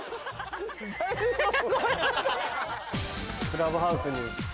クラブハウスに。